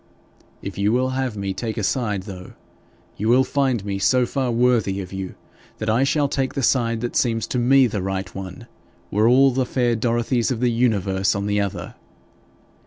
If you will have me take a side, though, you will find me so far worthy of you that I shall take the side that seems to me the right one, were all the fair Dorothies of the universe on the other.